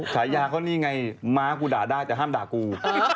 ขายาเขาหนี้ไงหมาห์๨่าห้ามด่ากรู